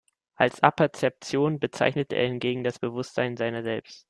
Als Apperzeption bezeichnete er hingegen das Bewusstsein seiner selbst.